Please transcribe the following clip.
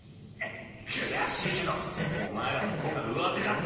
悔しいけどお前らの方がうわてだった！